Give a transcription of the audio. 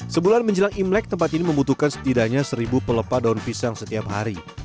sebulan menjelang imlek tempat ini membutuhkan setidaknya seribu pelepah daun pisang setiap hari